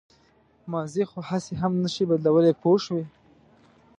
ماضي خو هسې هم نه شئ بدلولی پوه شوې!.